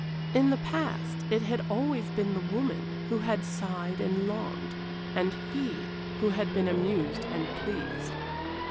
In the past it had always been the women who had sighed and longed and he who had been amused and pleased.